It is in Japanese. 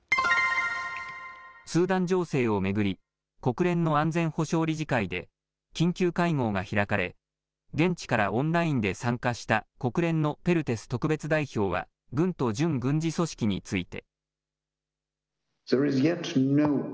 スーダン情勢を巡り、国連の安全保障理事会で、緊急会合が開かれ、現地からオンラインで参加した国連のペルテス特別代表は、軍と準軍事組織について。